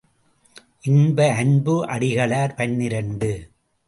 இன்ப அன்பு அடிகளார் பனிரண்டு .